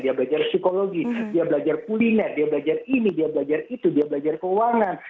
dia belajar psikologi dia belajar kuliner dia belajar ini dia belajar itu dia belajar keuangan